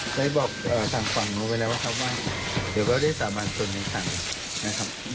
ได้บอกทางฝั่งนู้นไปแล้วครับว่าเดี๋ยวก็ได้สาบานตนในถังนะครับ